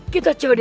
kita cek deh